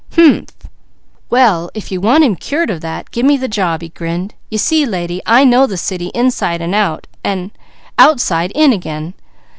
Hu'umh!" "Well if you want him cured of that, gimme the job," he grinned. "You see lady, I know the city, inside out and outside in again.